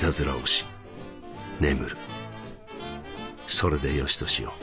それでよしとしよう。